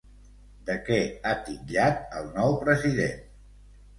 De què ha titllat al nou president?